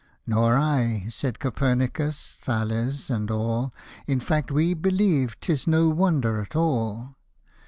"" Nor I," said Copernicus, Thales, and all; " In fact we believe 'tis no wonder at all